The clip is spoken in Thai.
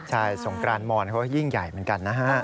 ใช่สงกรานมอนเขาก็ยิ่งใหญ่เหมือนกันนะฮะ